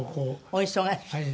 お忙しい。